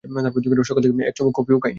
সকাল থেকে এক চুমুক কফিও খাইনি।